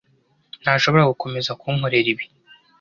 ntashobora gukomeza kunkorera ibi.